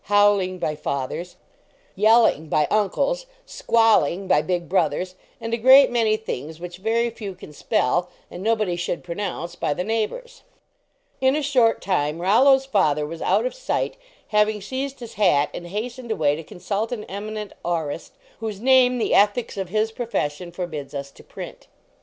"howling," by fathers; " yelling," by uncles; "squalling," by big brothers, and a great many things which very few can spell 15 LEARNING TO BREATHE and nobody should pronounce, by the neigh bors. In a short time Rollo s father was out of sight, having seized his hat and hastened away to consult an eminent aurist, whose name the ethics of his profession forbids to us to print.